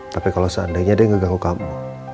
tapi kalau seandainya dia mengganggu kamu